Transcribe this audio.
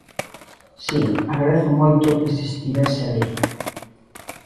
Si, agradezo moito que se estivese alí.